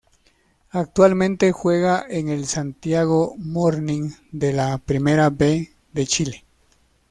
Actualmente juega en el Santiago Morning de la Primera B de Chile.